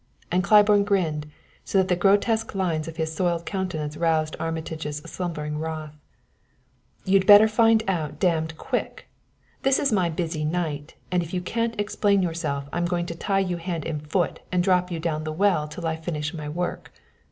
and Claiborne grinned, so that the grotesque lines of his soiled countenance roused Armitage's slumbering wrath. "You'd better find out damned quick! This is my busy night and if you can't explain yourself I'm going to tie you hand and foot and drop you down the well till I finish my work.